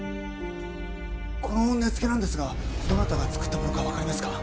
この根付なんですがどなたがつくったものかわかりますか？